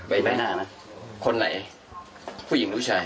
ใบหน้านะคนไหนผู้หญิงหรือผู้ชาย